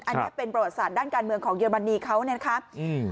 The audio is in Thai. อันนี้เป็นประวัติศาสตร์ด้านการเมืองของเยอรมนีเขาเนี่ยนะคะอืม